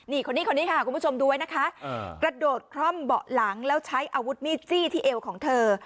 นี่คนนี้คนนี้ค่ะคุณผู้ชมดูไว้นะคะกระโดดคร่อมเบาะหลังแล้วใช้อาวุธมีดจี้ที่เอวของเธอ